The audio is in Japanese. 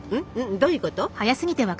どういうこと？